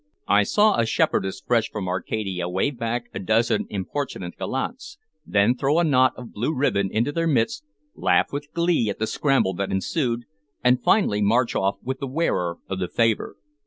I saw a shepherdess fresh from Arcadia wave back a dozen importunate gallants, then throw a knot of blue ribbon into their midst, laugh with glee at the scramble that ensued, and finally march off with the wearer of the favor.